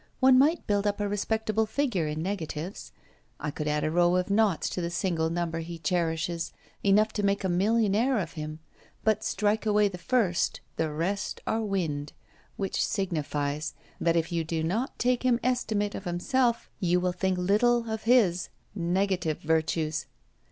One might build up a respectable figure in negatives. I could add a row of noughts to the single number he cherishes, enough to make a millionnaire of him; but strike away the first, the rest are wind. Which signifies, that if you do not take his estimate of himself, you will think little of his: negative virtues.